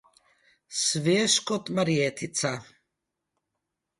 Svež kot marjetica.